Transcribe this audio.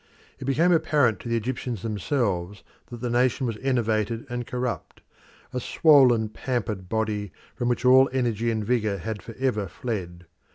It became apparent to the Egyptians themselves that the nation was enervated and corrupt, a swollen, pampered body from which all energy and vigour had for ever fled.